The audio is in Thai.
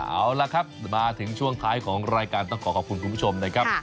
เอาละครับมาถึงช่วงท้ายของรายการต้องขอขอบคุณคุณผู้ชมนะครับ